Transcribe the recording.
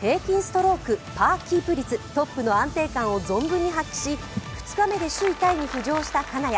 平均ストローク、パーキープ率トップの安定感を存分に発揮し２日目で首位タイに浮上した金谷。